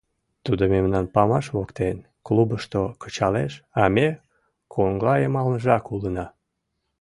Тудо мемнам памаш воктен, клубышто кычалеш, а ме коҥлайымалныжак улына.